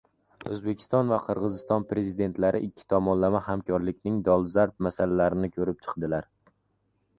O‘zbekiston va Qirg‘iziston Prezidentlari ikki tomonlama hamkorlikning dolzarb masalalarini ko‘rib chiqdilar